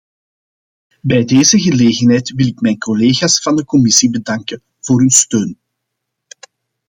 Bij deze gelegenheid wil ik mijn collega's van de commissie bedanken voor hun steun.